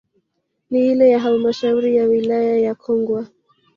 Na ile ya halmasahauri ya wilaya ya Kongwa